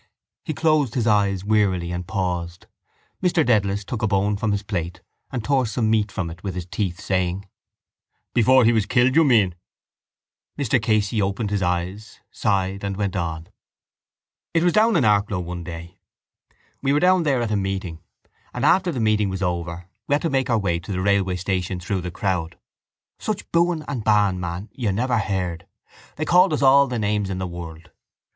He closed his eyes wearily and paused. Mr Dedalus took a bone from his plate and tore some meat from it with his teeth, saying: —Before he was killed, you mean. Mr Casey opened his eyes, sighed and went on: —It was down in Arklow one day. We were down there at a meeting and after the meeting was over we had to make our way to the railway station through the crowd. Such booing and baaing, man, you never heard. They called us all the names in the world.